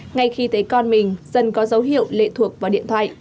ngay khi thấy con mình dần có dấu hiệu lệ thuộc vào điện thoại